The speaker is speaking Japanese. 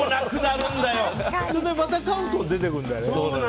また買うと出てくるんだよね。